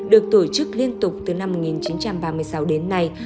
được tổ chức liên tục từ năm một nghìn chín trăm ba mươi sáu đến nay